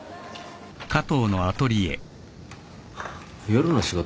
夜の仕事？